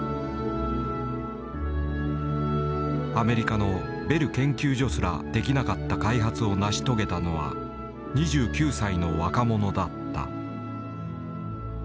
アメリカのベル研究所すらできなかった開発を成し遂げたのは２９歳の若者だった。